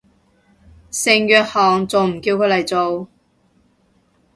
聖約翰仲唔叫佢嚟做